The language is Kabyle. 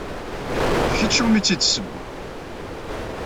D kečč umi tt-id-ssewweɣ.